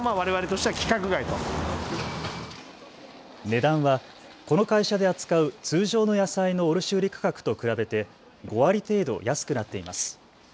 値段はこの会社で扱う通常の野菜の卸売価格と比べて５割程度安くなっています。